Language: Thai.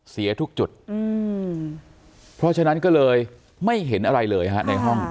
เสียทุกจุดเพราะฉะนั้นก็เลยไม่เห็นอะไรเลยฮะในห้อง